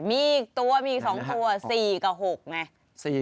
มีอีกตัวมี๒ตัว๔กับ๖ไง